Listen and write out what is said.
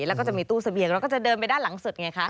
แล้วก็จะมีตู้เสบียงแล้วก็จะเดินไปด้านหลังสุดไงคะ